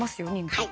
はい。